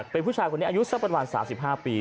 เป็นผู้ชายคนนี้อายุสักประมาณ๓๕ปี